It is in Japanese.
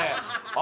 あ！